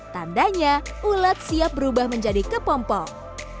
tandanya ulat siap berubah menjadi kepompok